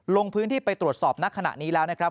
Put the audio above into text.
ลงพื้นที่ไปตรวจสอบณขณะนี้แล้วนะครับ